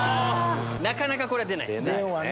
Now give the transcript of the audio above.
なかなかこれは出ないですね。